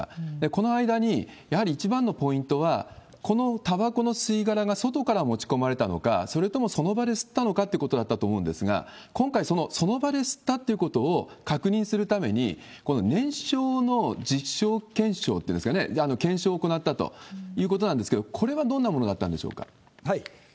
この間にやはり一番のポイントは、このたばこの吸い殻が外から持ち込まれたのか、それともその場で吸ったのかということだったと思うんですが、今回、その場で吸ったということを確認するために、この燃焼の実証検証というんですかね、検証を行ったということなんですけれども、これはどんなものだったんでしょうか？